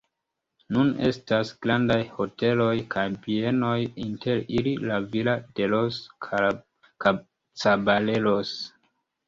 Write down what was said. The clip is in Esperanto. Nune estas grandaj hoteloj kaj bienoj, inter ili La Villa de los Caballeros.